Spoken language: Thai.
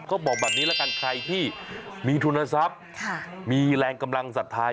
บอกแบบนี้ละกันใครที่มีทุนทรัพย์มีแรงกำลังศรัทธา